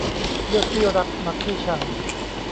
เลือกที่รักมักที่ชัง